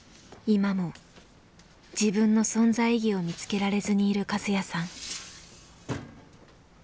今も自分の存在意義を見つけられずにいるカズヤさん。